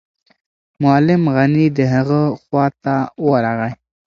معلم غني د هغه خواته ورغی.